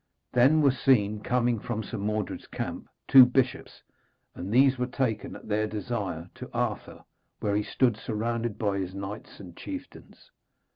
Then were seen, coming from Sir Mordred's camp, two bishops; and these were taken at their desire to Arthur, where he stood surrounded by his knights and chieftains.